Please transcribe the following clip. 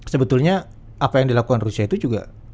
sebetulnya apa yang dilakukan rusia itu juga